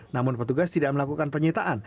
namun petugas tidak melakukan penyitaan